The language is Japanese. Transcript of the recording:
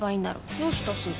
どうしたすず？